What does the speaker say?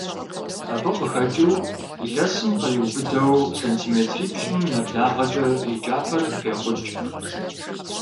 Абы къыхэкIыу, илъэсым къриубыдэу сантиметрипщIым нэблагъэкIэ и кIапэр пехъукI.